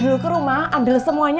dulu ke rumah ambil semuanya